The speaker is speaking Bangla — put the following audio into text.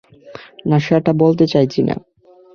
না, সেটা বলতে চাইছি না।